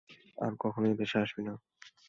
আর কখনো এই দেশে আসবি না।